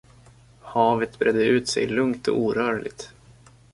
Havet bredde ut sig lugnt och orörligt.